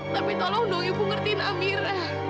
tapi tolong dong ibu ngertiin amira